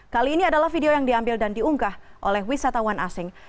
kali ini adalah video yang diambil dan diunggah oleh wisatawan asing